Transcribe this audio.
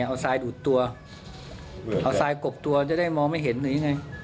เอาทรายดูดตัวเอาทรายกบตัวจะได้มองไม่เห็นหรือยังไง